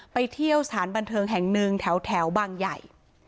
ไปเที่ยวสถานบันเทิงแห่งหนึ่งแถวบางใหญ่